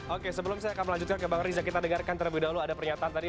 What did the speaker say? oke sebelum saya akan melanjutkan ke bang riza kita dengarkan terlebih dahulu ada pernyataan tadi